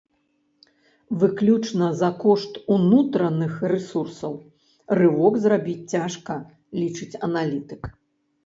Выключна за кошт унутраных рэсурсаў рывок зрабіць цяжка, лічыць аналітык.